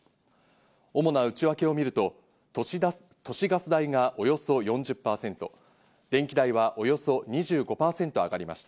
主な内訳をみると、都市ガス代がおよそ４０％、電気代はおよそ２５％上がりました。